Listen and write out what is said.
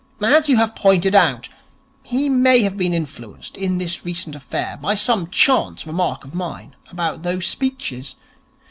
As you have pointed out, he may have been influenced in this recent affair by some chance remark of mine about those speeches.